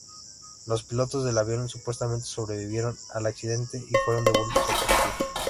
Los pilotos del avión supuestamente sobrevivieron al accidente y fueron devueltos a Turquía.